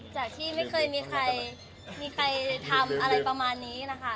จากที่ไม่เคยมีใครมีใครทำอะไรประมาณนี้นะคะ